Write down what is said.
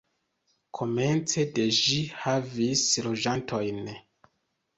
Komence de ĝi havis loĝantojn.